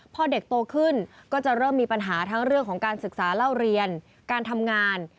พอเด็กโตขึ้นก็จะเริ่มมีปัญหาทั้งเรื่องของการศึกษาเล่าเรียนการทำงาน